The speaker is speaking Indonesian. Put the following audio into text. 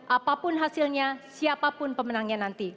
apapun hasilnya siapapun pemenangnya nanti